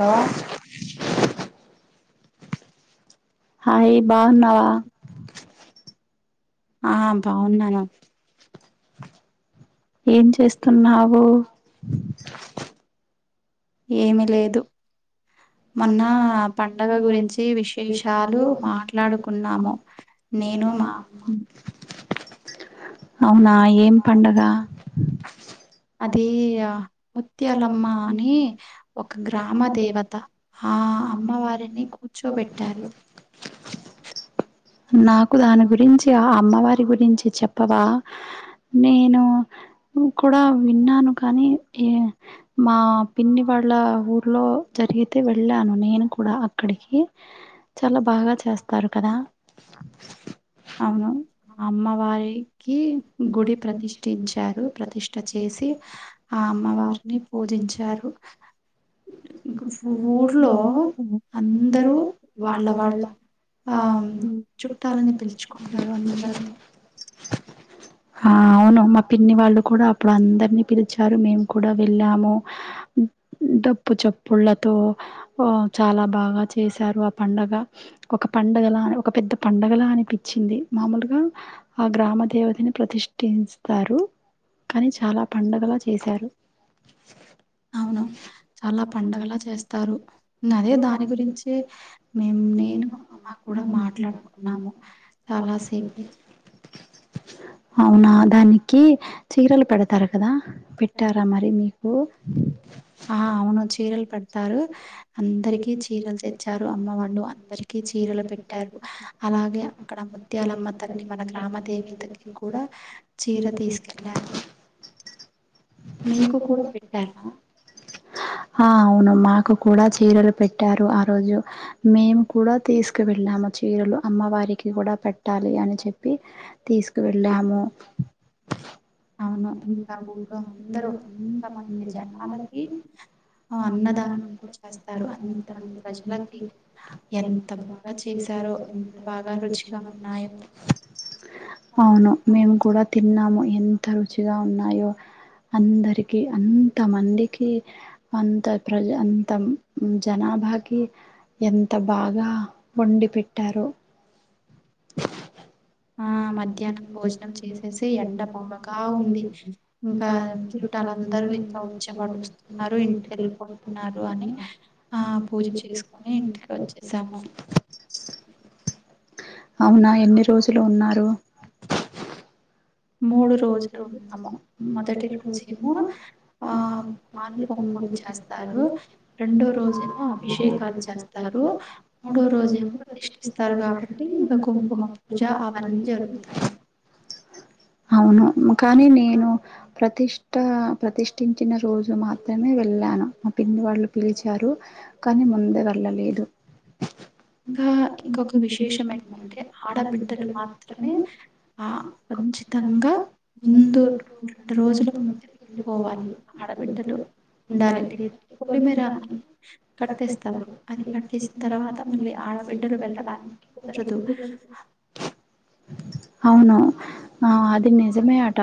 hello hi బావున్నవా ఆహ ఏం చేస్తున్నావు ఏమి లేదు మొన్న పండుగ గురించి విశేషాలు మాట్లాడుకున్నాము నేను మా అవునా ఏం పండగ అది ముత్యాలమ్మ అని ఒక గ్రామ దేవత ఆ అమ్మవారిని కూర్చోబెట్టారు అ నాకు దాని గురించి ఆ అమ్మవారి గురించి చెప్పవా నేను కూడా విన్నాను కానీ ఏ మా పిన్ని వాళ్ళ ఊర్లో జరిగి అయితే వెళ్ళాను నేను కూడా అక్కడికి చాలా బాగా చేస్తారు కదా అవును ఆ అమ్మవారికి గుడి ప్రతిష్ఠించారు ప్రతిష్ చేసి ఆ అమ్మవారిని పూజించారు ఊర్లో అందరూ వాళ్ళ వాళ్ ఆమ్ చుట్టాలని [inaudible] ఆ అవును మా పిన్ని వాళ్ళు కూడా అప్పుడు అందరినీ పిలిచారు మేము కూడా వెళ్ళాము డప్పు చప్పుళ్లతో ఆ చాలా బాగా చేశారు ఆ పండగ ఒక పండగలా అని ఒక పెద్ద పండగలా అనిపించింది మామూలుగా ఆ గ్రామ దేవతని ప్రతిష్ఠిస్తారు కానీ చాలా పండగలా చేశారు అవును చాలా పండగలా చేస్తారు అదే దాని గురించే మేం నేను అమ్మా కూడా మాట్లాడుకున్నాము చాలాసేపు అవునా దానికి చీరలు పెడతారు కదా పెట్టారా మరి మీకు ఆ అవును చీరలు పెడతారు అందరిక చీరలు తెచ్చారు అమ్మ వాళ్ళు అందరిక చీరలు పెట్టారు అలాగే అక్కడ ముత్యాలమ్మ తల్లి మన గ్రామ దేవల [unintelligible] దగ్గర చీర తీసుకుని ఆఅవునమ్మా నాకు కూడా చీరలు పెట్టారు ఆ రోజు మిము కూడా తీసుకు వెళ్ళాము చీరలు అమ్మవారికి కూడా పెట్టాలి అని చెప్పి తీసుకు వెళ్ళాము అవును ఇంకా ఊట ఇద్దరు అంత మంది జనాలకి ఆ అన్నదా చేస్తారు అంతమంది ప్రజలకి ఎంత బాగా చేశారో ఎంత బాగా రుచిగా ఉన్నయో అవును మేము కూడా తిన్నాము ఎంత రుచిగా ఉన్నాయో అందరికి అంత మందికి అంత ప్రజ అంత జనాభాకి ఎంత బాగా వండి పెట్టారో అ [unintelligible] ఆ మధ్యాహ్నం భోజనం చేసేసి ఎండ బాగా ఉంది ఇంకా చు ఇంకా అందరు ఇంకా వచ్చి కలుస్తున్నారు ఇంటికి వెళ్ళిపోతున్నారు అని ఆ పూజా చేసాము ఇంటికి వచ్చేసాము అవునా ఎన్ని రోజులు ఉన్నారు మూడు రోజులు ఉన్నాము మొదటి రోజు ఏమో ఆ [unintelligible] పూజ చేస్తారు రెండో రోజు ఏమో అభిషేకాలు చేస్తారు మూడో రోజు ఏమో ప్రతిష్ఠిస్తారు కాబట్టి ఇంకా కుంకుమ పూజ అవన్నీ జరుగుతాయి అవును కానీ నేను ప్రతిష్ట ఇష్ట ప్రతిష్ఠించిన రోజు మాత్రమే వెళ్ళాను మా పిన్ని వాళ్ళు పిలిచారు కానీ ముందే వెళ్ళలేదు ఆ ఇంకొక విశేషం ఏంటంటే ఆడబిడ్డలు మాత్రమే ఆ పంచిత ఇంగా ముందు రెండు రోజుల ముందే వెళ్ళి పోవాలి ఆడబిడ్డలు ఉండాలండి పోలిమేర అమ్మని కట్టేస్తారు అది కట్టేసిన తర్వాత మళ్ళీ ఆడబిడ్డలు వెళ్ళడానికి కుదరదు అవును ఆ అది నిజమే అట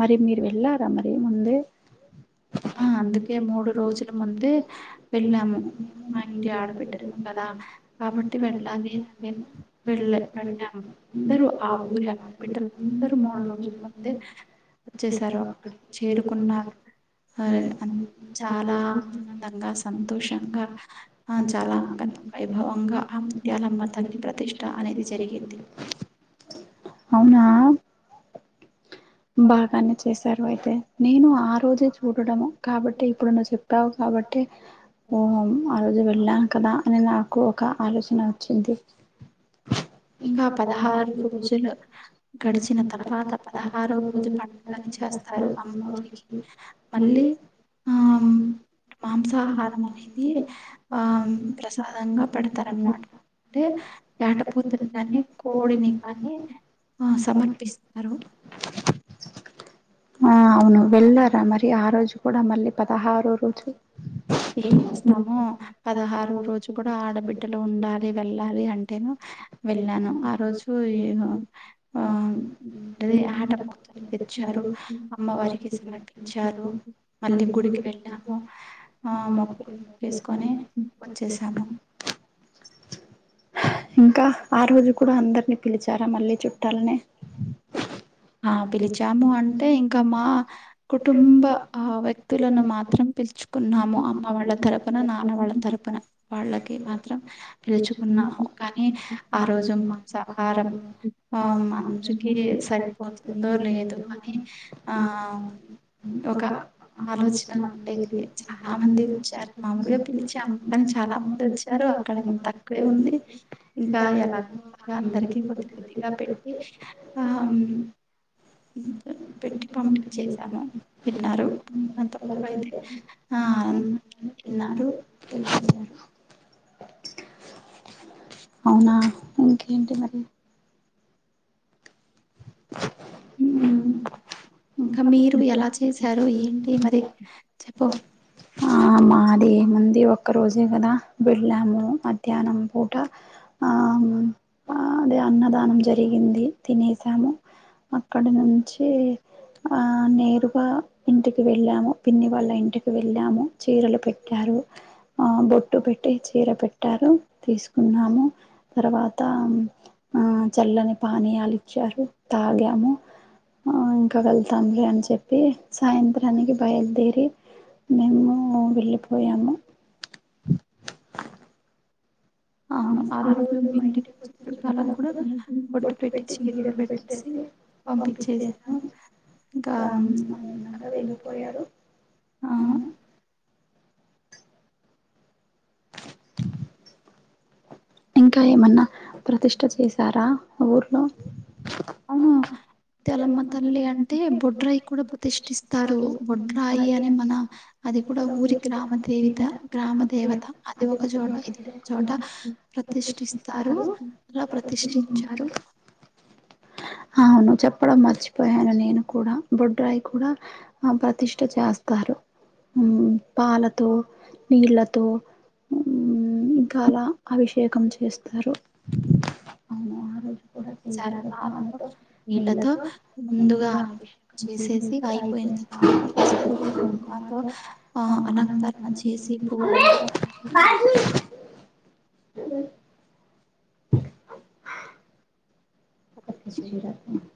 మరి మీరు వెళ్ళారా మరి ముందే అందుకే మూడు రోజులు ముందే పోయినాము మా ఇంటి ఆడబిడ్డలం కదా కాబట్టి వెళ్ళాలి అంటే వెళ్ళ వెళ్ళాము అందరు ఆ ఊరి ఆడబిడ్డలు అందరు మూడు రోజుల ముందే వచ్చేసారు అక్కడికి చేరుకున్నారు అరెగ [unintelligible] అంత చాలా ఆనందంగా సంతోషంగా ఆ చాలా వైభవంగా అమ్మ ముత్యాలమ్మ తల్లి ప్రతిష్ట అనేది జరిగింది అవునా బాగానే చేశారు అయితే నేను ఆ రోజే చూడడము కాబట్టి ఇప్పుడు నువ్వు చెప్పావు కాబట్టే పోయాము ఆ రోజు వెళ్ళాం కదా అని నాకు ఒక ఆలోచన వచ్చింది ఇంకా పదహారు రోజులు గడిచిన తర్వాత పదహారో రోజు పండగని చేస్తారు అమ్మవారు మళ్ళీ మాంసాహారం అనేది ఆ ప్రసాదంగా పెడతారన్నమాట అంటే వేటపోతుని కాగానీ కోడిని కాగానీ ఆ సమర్పిస్తారు ఆ అవును వెళ్ళారా మరి ఆ రోజు కూడా మళ్ళీ పదహారో రోజు ఏం వస్తాము పదహారు రోజు కూడా ఆడబిడ్డలు ఉండాలి వెళ్ళాలి అంటేను వెళ్ళాను ఆ రోజు అవును అదే ఆట పోతు తెచ్చారు అమ్మవారికి సమర్పించారు మళ్ళీ గుడికి వెళ్ళాము మా మొక్కులు తీర్చేసుకుని వచ్చేసాను ఇంకా ఆ రోజు కూడా అందరినీ పిలిచారా మళ్ళీ చు ట్టాలనే ఆ పిలిచాము అంటే ఇంకా మా కుటుంబ ఆ వ్యక్తులను మాత్రం పిలుచుకున్నాము అమ్మ వాళ్ళ తరపున నాన్న వాళ్ళ తరపున వాళ్ళకి మాత్రం పిలుచుకున్నాము కానీ ఆ రోజు శాహారం ఆ మచ్చుకి సరి ఉంటుందో లేదో అని ఆ ఒక ఆలోచన ఉంటది చాలా ఆనందించాం మామ్లుగా పిలిచాము కానీ చాలా మంది వ చ్చరు అక్కడ ఏమో తక్కువే ఉంది ఇంకా ఎలాగగా అందరికీ కొద్ది కొద్దిగా పెట్టి పెట్టి పంపించేసాను తిన్నారు అంత అయింది ఆ తిన్నారు ఆహా అవునా ఇంకేంటి మరి ఉమ్ ఇంకా మీరు ఎలా చేశారు ఏంటి మరి చెప్పు ఆ మాది ఏముంది ఒక్క రోజే కదా వెళ్ళాము మధ్యాహ్నం పూట ఆ అదే అన్నదానం జరిగింది తినేశాము అక్కడ నుంచి ఆ నేరుగా ఇంటికి వెళ్ళాము పిన్ని వాళ్ళ ఇంటికి వెళ్ళాము చీరలు పెట్టారు ఆ బొట్టు పెట్టి చీర పెట్టారు తీసుకున్నాము తర్వాత ఆ చల్లని పానీయాలుచ్చారు తాగాము ఆ ఇంకా వెళ్తాం లే అని చెప్పి సాయంత్రానికి బయలుదేరి మేము వెళ్ళిపోయాము అవును ఆ రోజులు మా ఇంటి వచ్చిన కొత్త చుట్టాలకు కూడా బొట్టు పెట్టి చీరలు పెట్టేసి పంపించసాను ఇంకా విన్నంగా వెళ్ళిపోయారు అవును ఇంకా ఏమన్నా ప్రతిష్ట చేశారా ఊర్లో అవున వెలమ్మ తల్లి అంటే బొడ్రాయి కూడా ప్రతిష్ఠిస్తారు బొడ్రాయి అని మన అది కూడా ఊరి గ్రామ దేవిత గ్రామ దేవత అది ఒక చోట ఇది చోట ప్రతిష్ఠిస్తారు అలా ప్రతిష్ఠించారు అవును చెప్పడం మర్చిపోయాను నేను కూడా బొడ్డ్రాయి కూడా ఆ ప్రతిష్ఠ చేస్తారు హ్మ్ పాలతో నీళ్ళతో ఇంకా అలా అభిషేకం చేస్తారు అవును ఆ రోజు కూడా చేసారు నీళ్లతో ముందుగా అభిషేకం చేసేది అయిపోయిన పసుపు కుంకుమ తో అలంకరణ చేసి పూజలో అ అ కథచ్చ రతున్నా